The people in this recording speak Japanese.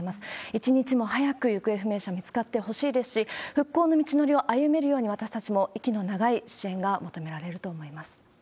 一日も早く行方不明者見つかってほしいですし、復興の道のりを歩めるように、私たちも息の長い支援が求められると思います。